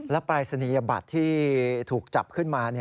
ปรายศนียบัตรที่ถูกจับขึ้นมา